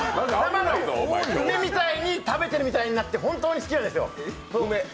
梅みたいに食べてるみたいになって本当に好きなんですよ。